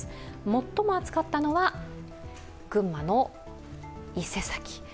最も暑かったのは、群馬の伊勢崎。